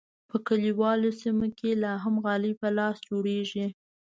په کلیوالو سیمو کې لا هم غالۍ په لاس جوړیږي.